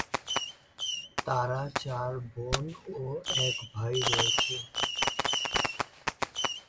তারা চার বোন ও এক ভাই রয়েছে।